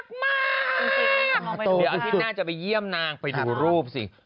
เดี๋ยวอาทิตย์หน้าจะไปเยี่ยมนางไปดูรูปสิ